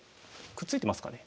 くっついてますかね？